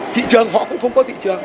thị trường họ cũng không có thị trường